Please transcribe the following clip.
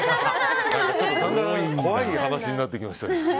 怖い話になってきました。